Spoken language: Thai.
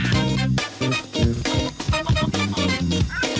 คุณแฟนคุณแฟน